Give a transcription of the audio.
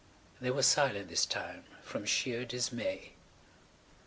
They were silent this time from sheer dismay.